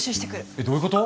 えっどういうこと？